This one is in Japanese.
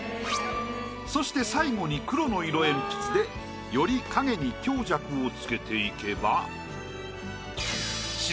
そして最後に黒の色鉛筆でより影に強弱をつけていけば。